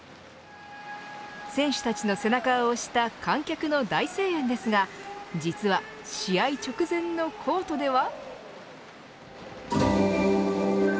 選手たちの背中を押した観客の大声援ですが実は試合直前のコートでは。